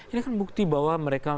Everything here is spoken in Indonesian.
ini kan bukti bahwa mereka